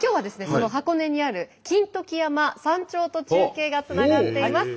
その箱根にある金時山山頂と中継がつながっています。